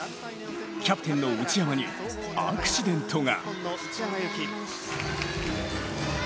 キャプテンの内山にアクシデントが。